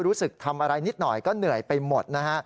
รู้สึกทำอะไรนิดหน่อยก็เหนื่อยไปหมดนะฮะ